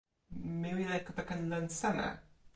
mi wile kepeken len seme?